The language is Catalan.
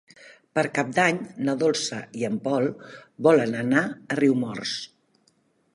Per Cap d'Any na Dolça i en Pol volen anar a Riumors.